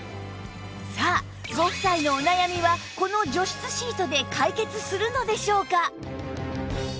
さあご夫妻のお悩みはこの除湿シートで解決するのでしょうか？